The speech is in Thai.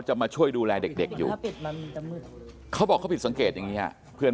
มาช่วยดูแลเด็กอยู่เขาบอกเขาผิดสังเกตอย่างนี้ฮะเพื่อน